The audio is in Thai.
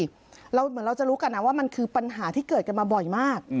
เหมือนเราจะรู้กันนะว่ามันคือปัญหาที่เกิดกันมาบ่อยมาก